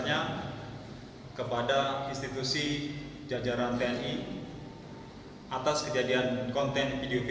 tni dan bribda d dan bribda f